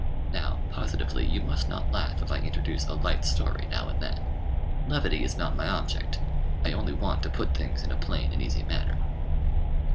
Now, positively, you must not laugh if I introduce a light story now and then. Levity is not my object: I only want to put things in a plain and easy manner.